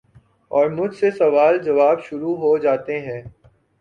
اور مجھ سے سوال جواب شروع ہو جاتے ہیں ۔